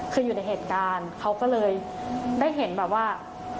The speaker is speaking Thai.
คืออยู่ในเหตุการณ์เขาก็เลยได้เห็นแบบว่า